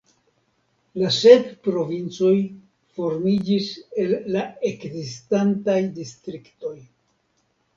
La sep provincoj formiĝis el la ekzistantaj distriktoj.